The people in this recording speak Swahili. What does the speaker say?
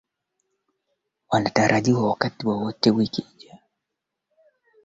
watoa huduma wanatumia mifumo hiyo ya malipo